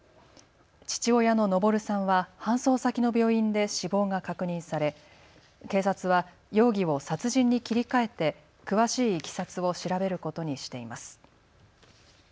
父親の登さんは搬送先の病院で死亡が確認され警察は容疑を殺人に切り替えて詳しいいきさつを調べることにしています。